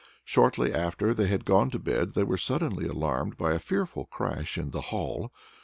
Shortly after they had gone to bed they were suddenly alarmed by a fearful crash in the hall.